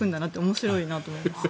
面白いなと思います。